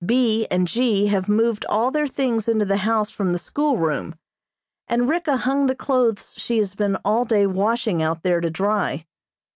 B. and G. have moved all their things into the house from the schoolroom, and Ricka hung the clothes she has been all day washing out there to dry.